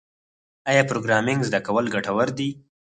آیا پروګرامینګ زده کول ګټور دي؟